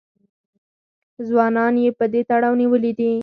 ځوانان یې په دې تړاو نیولي دي